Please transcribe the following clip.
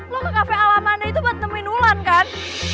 lo ke cafe alamannya itu buat temuin ulan kan